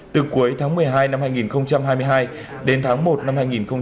từ cuối tháng một mươi hai năm hai nghìn hai mươi hai đến tháng một năm hai nghìn hai mươi ba